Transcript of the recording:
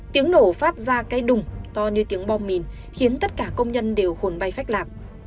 tiếng nổ phát ra cây đùng to như tiếng bom mìn khiến tất cả công nhân đều khuồn bay phách lạc